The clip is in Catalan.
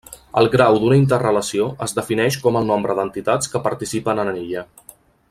El grau d’una interrelació es defineix com el nombre d’entitats que participen en ella.